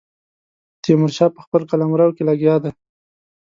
تیمور شاه په خپل قلمرو کې لګیا دی.